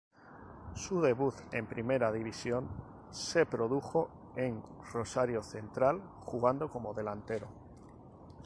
Su debut en primera división se produjo en Rosario Central, jugando como delantero.